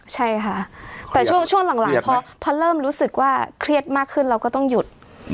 ใช่ค่ะแต่ช่วงหลังพอเริ่มรู้สึกว่าเครียดมากขึ้นเราก็ต้องหยุด